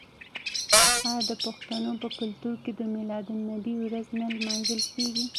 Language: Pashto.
آیا د پښتنو په کلتور کې د میلاد النبي ورځ نه لمانځل کیږي؟